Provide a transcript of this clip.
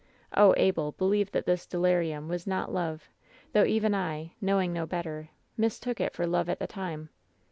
Oh, Abel, believe that this delirium was not love, though even I, knowing no better, mistook it for love at the time.